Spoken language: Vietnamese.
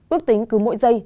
ước tính cứ mỗi giây